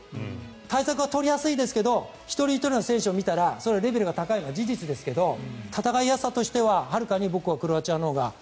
対策は取りやすいですけど一人ひとりの選手を見たらそれはレベルが高いのは事実ですが戦いやすさとしては、はるかに僕はクロアチアのほうが。